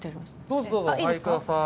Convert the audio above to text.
どうぞどうぞお入り下さい。